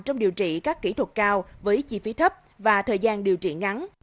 trong điều trị các kỹ thuật cao với chi phí thấp và thời gian điều trị ngắn